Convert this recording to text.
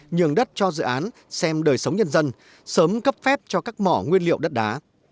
nhường đất cho dự án xem đời sống nhân dân sớm cấp phép cho các mỏ nguyên liệu đất đá